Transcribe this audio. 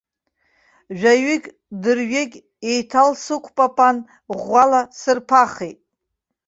Жәаҩык дырҩегь еиҭаласықәпапан, ӷәӷәала сырԥахит.